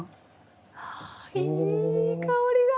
あいい香りが。